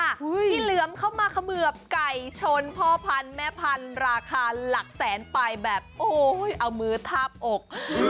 พี่เหลือมเข้ามาเขมือบไก่ชนพ่อพันธุ์แม่พันธุ์ราคาหลักแสนไปแบบโอ้ยเอามือทาบอก